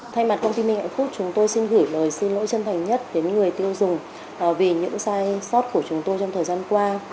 thay mặt công ty minh hạnh phúc chúng tôi xin gửi lời xin lỗi chân thành nhất đến người tiêu dùng vì những sai sót của chúng tôi trong thời gian qua